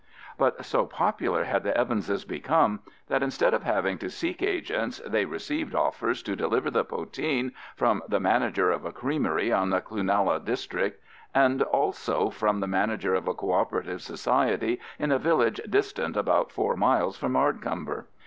But so popular had the Evanses become that, instead of having to seek agents, they received offers to deliver the poteen from the manager of a creamery in the Cloonalla district, and also from the manager of a Cooperative Society in a village distant about four miles from Ardcumber.